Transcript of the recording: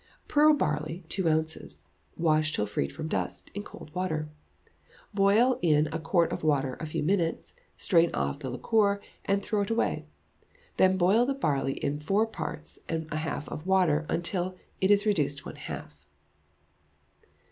Pearl barley, two ounces; wash till freed from dust, in cold water. Boil in a quart of water a few minutes, strain off the liquor, and throw it away. Then boil the barley in four pints and a half of water, until it is reduced one half.